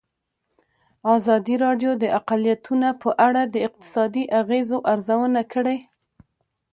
ازادي راډیو د اقلیتونه په اړه د اقتصادي اغېزو ارزونه کړې.